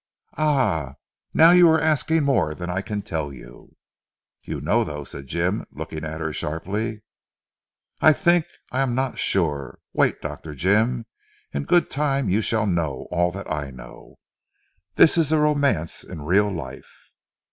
"Ah! Now you are asking more than I can tell you." "You know though," said Jim looking at her sharply. "I think I am not sure. Wait, Dr. Jim. In good time you shall know all that I know. This is a romance in real life."